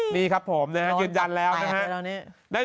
นี่ครับผมนะฮะกินยันแล้วนะฮะ